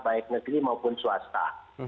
baik negeri maupun swasta